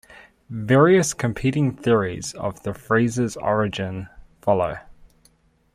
Various competing theories of the phrase's origin follow.